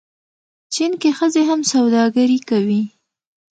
چین کې ښځې هم سوداګري کوي.